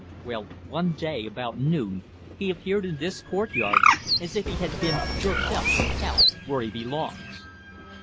Well one day, about noon, he appeared in this courtyard, as if he had been jerked up from hell where he belongs."